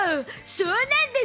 そうなんです。